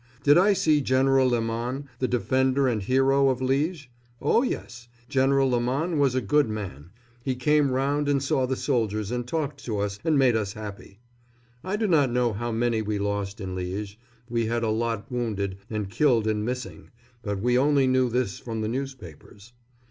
Did I see General Leman, the defender and hero of Liège? Oh, yes. General Leman was a good man. He came round and saw the soldiers and talked to us and made us happy. I do not know how many we lost in Liège. We had a lot wounded and killed and missing; but we only knew this from the newspapers.